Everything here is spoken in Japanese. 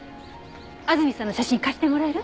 安住さんの写真貸してもらえる？